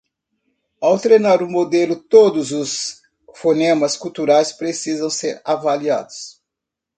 ao treinar um modelo todos os fonemas culturais precisam ser avaliados